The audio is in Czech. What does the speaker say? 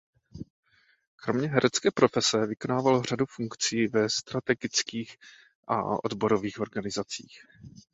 Kromě herecké profese vykonával řadu funkcí ve stranických a odborových organizacích.